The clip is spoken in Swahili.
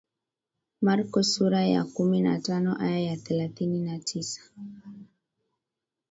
Marko sura ya kumi na tano aya ya thelathini na tisa